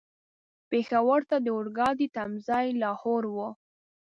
پېښور ته د اورګاډي تم ځای لاهور و.